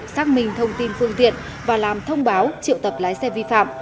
xác minh thông tin phương tiện và làm thông báo triệu tập lái xe vi phạm